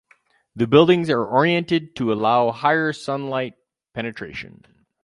The buildings are oriented to allow higher sunlight penetration.